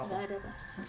tidak ada pak